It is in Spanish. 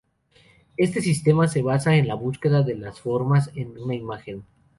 Este sistema se basa en la búsqueda de las formas en una imagen.